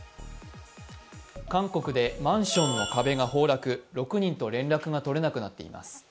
韓国でマンションの壁が崩落、６人と連絡が取れなくなっています